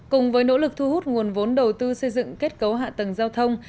cùng với nỗ lực thu hút nguồn vốn đầu tư xây dựng kết cấu hạ tầng giao thông